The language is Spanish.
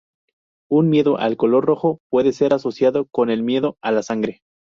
Un miedo al color rojo puede ser asociado con el miedo a la sangre.